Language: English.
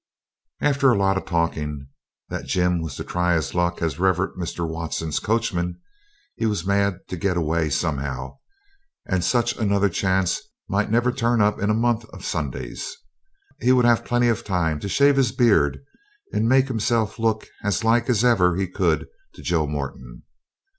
After a lot of talking, that Jim was to try his luck as the Rev. Mr. Watson's coachman, he was mad to get away somehow, and such another chance might never turn up in a month of Sundays. He would have plenty of time to shave his beard and make himself look as like as ever he could to Joe Moreton.